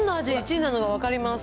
１位なのが分かります。